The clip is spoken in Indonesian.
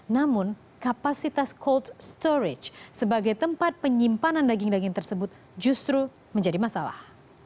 namun kapasitas cold storage sebagai tempat penyimpanan daging daging tersebut justru menjadi masalah